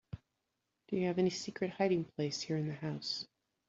Do you have any secret hiding place here in the house?